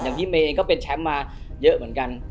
แต่ในวันนี้ก็ยังเข้ามาเยอะเหมือนกัน